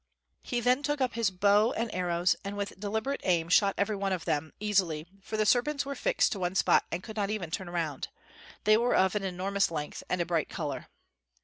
He then took up his bow and arrows, and with deliberate aim shot every one of them, easily, for the serpents were fixed to one spot and could not even turn around. They were of an enormous length, and a bright color.